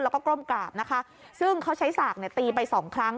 แล้วก็ก้มกราบนะคะซึ่งเขาใช้สากเนี่ยตีไปสองครั้ง